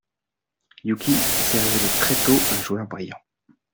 Yuki s'est révélé très tôt un joueur brillant.